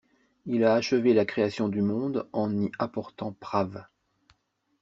Il a achevé la création du monde en y apportant Prav.